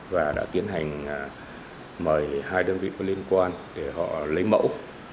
và đã tiến hành mời hai đơn vị có liên quan để họ lấy mẫu